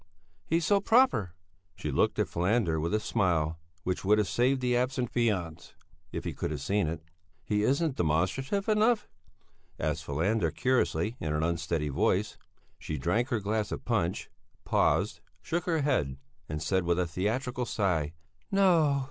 "He's so proper." She looked at Falander with a smile which would have saved the absent fiancé, if he could have seen it. "He isn't demonstrative enough?" asked Falander curiously, in an unsteady voice. She drank her glass of punch, paused, shook her head, and said with a theatrical sigh: "No!"